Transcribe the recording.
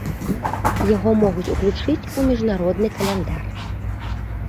Яго могуць уключыць у міжнародны каляндар.